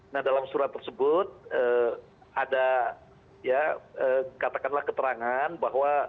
nah dalam surat tersebut katakanlah keterangan bahwa